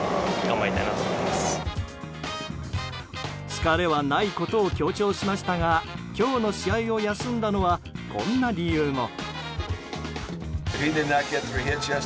疲れはないことを強調しましたが今日の試合を休んだのはこんな理由も。